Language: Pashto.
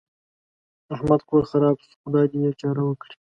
احمد کور خراپ شو؛ خدای دې يې چاره وکړي.